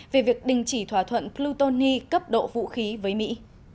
về việc đình chỉ thỏa thuận plutoni cấp độ vũ khí với mỹ